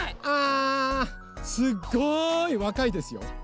あすごいわかいですよ。